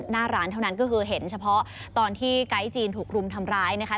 หน้าร้านเท่านั้นก็คือเห็นเฉพาะตอนที่ไกด์จีนถูกรุมทำร้ายนะคะ